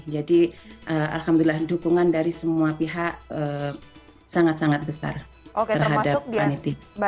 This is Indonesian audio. alhamdulillah dukungan dari semua pihak sangat sangat besar terhadap panitia